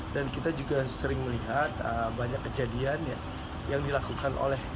dan kita juga sering melihat banyak kejadian yang dilakukan oleh